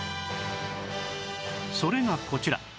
それがこちら